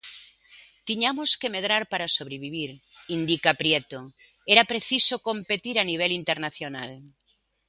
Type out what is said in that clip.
"Tiñamos que medrar para sobrevivir", indica Prieto, era preciso competir a nivel internacional.